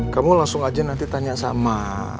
kamu langsung aja nanti tanya sama